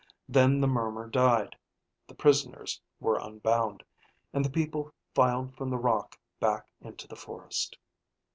Then the murmur died, the prisoners were unbound, and the people filed from the rock back into the forest.